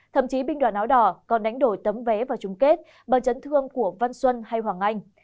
thậm chí binh đoàn áo đỏ còn đánh đổi tấm vé vào chung kết bằng chấn thương của văn xuân hay hoàng anh